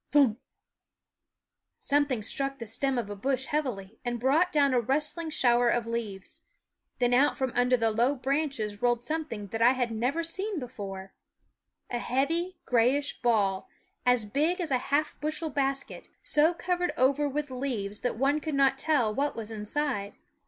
thump! Some thing struck the stem of a bush heavily and brought down a rustling shower of leaves ; then out from under the low branches rolled something that I had never seen before, a heavy grayish ball, as big as a half bushel basket, so covered over with leaves that one could not tell what was inside.